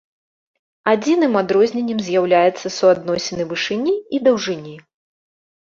Адзіным адрозненнем з'яўляецца суадносіны вышыні і даўжыні.